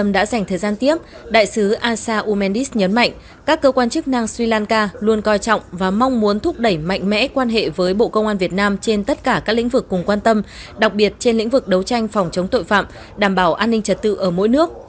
đã dành thời gian tiếp đại sứ asa umendis nhấn mạnh các cơ quan chức năng sri lanka luôn coi trọng và mong muốn thúc đẩy mạnh mẽ quan hệ với bộ công an việt nam trên tất cả các lĩnh vực cùng quan tâm đặc biệt trên lĩnh vực đấu tranh phòng chống tội phạm đảm bảo an ninh trật tự ở mỗi nước